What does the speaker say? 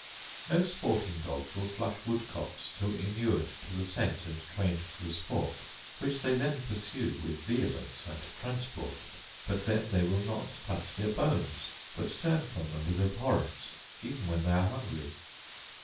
No sporting dogs will flush woodcocks till inured to the scent and trained to the sport, which they then pursue with vehemence and transport; but then they will not touch their bones, but turn from them with abhorrence, even when they are hungry.